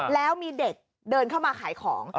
แล้วมีเด็กเดินเข้ามาขายของ